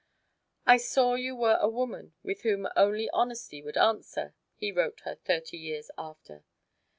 "I saw you were a woman with whom only honesty would answer," he wrote her thirty years after.